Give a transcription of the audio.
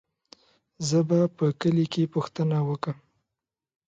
زه به په کلي کې پوښتنه وکم.